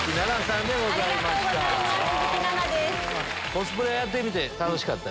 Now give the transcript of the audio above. コスプレやってみて楽しかった？